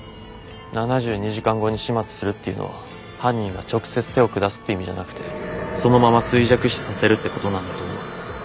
７２時間後に始末するっていうのは犯人が直接手を下すって意味じゃなくてそのまま衰弱死させるってことなんだと思う。